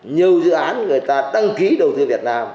nhiều dự án người ta đăng ký đầu tư việt nam